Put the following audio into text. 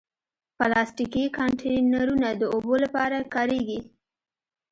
پلاستيکي کانټینرونه د اوبو لپاره کارېږي.